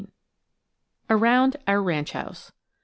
AROUND OUR RANCH HOUSE.